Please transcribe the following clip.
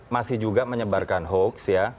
masih juga menyebarkan hoaks